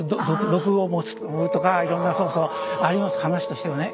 毒を盛るとかいろんなそうそうあります話としてはね。